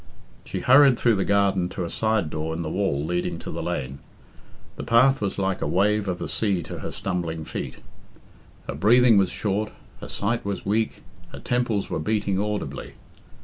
She hurried through the garden to a side door in the wall leading to the lane. The path was like a wave of the sea to her stumbling feet. Her breathing was short, her sight was weak, her temples were beating audibly.